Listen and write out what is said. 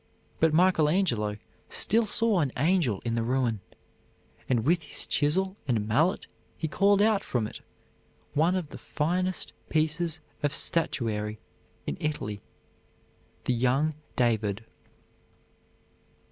But Michael Angelo still saw an angel in the ruin, and with his chisel and mallet he called out from it one of the finest pieces of statuary in Italy, the young David.